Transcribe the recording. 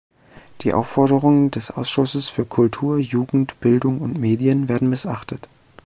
Die Aufforderungen des Ausschusses für Kultur, Jugend, Bildung und Medien werden missachtet.